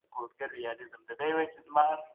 که موږ هڅه نه وای کړې فابریکي به تړل سوي وای.